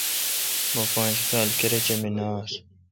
مہ پانچ کال کراچے°مے° نہ آس۔